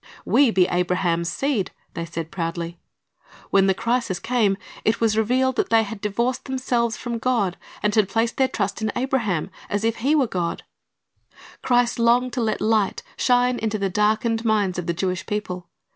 "We be Abraham's seed,"^ they said proudly. When the crisis came, it was revealed that they had divorced themselves from God, and had placed their trust in Abraham, as if he were God. Christ longed to let light shine into the darkened minds of the Jewish people.